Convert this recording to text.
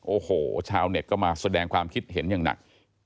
โอ้โหชาวเน็ตก็มาแสดงความคิดเห็นอย่างหนัก